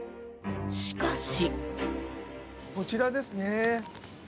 しかし。